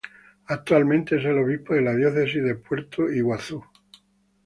Actualmente es el Obispo de la Diócesis de Puerto Iguazú.